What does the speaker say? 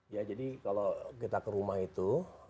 ya jadi kalau kita ke rumah itu